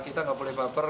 kita nggak boleh baper